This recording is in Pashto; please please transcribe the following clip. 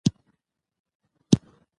استاد بینوا د خپل ولس خدمتګار و.